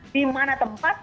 di mana tempat